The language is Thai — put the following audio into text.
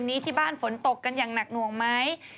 ที่บ้านฝนตกกันอย่างหนักหน่วงไหม